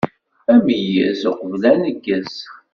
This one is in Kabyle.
Ameyyez uqbel aneggez.